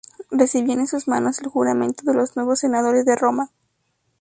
Recibían en sus manos el juramento de los nuevos senadores de Roma.